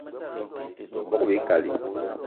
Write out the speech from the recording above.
Bogb-ikali